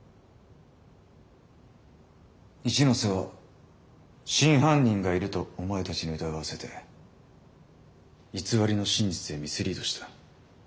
一ノ瀬は真犯人がいるとお前たちに疑わせて偽りの真実へミスリードした。